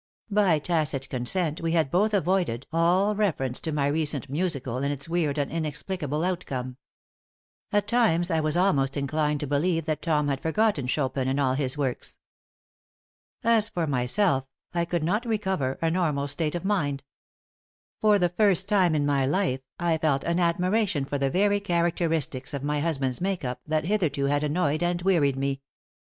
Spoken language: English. By tacit consent we had both avoided all reference to my recent musical and its weird and inexplicable outcome. At times, I was almost inclined to believe that Tom had forgotten Chopin and all his works. As for myself, I could not recover a normal state of mind. For the first time in my life, I felt an admiration for the very characteristics of my husband's make up that hitherto had annoyed and wearied me.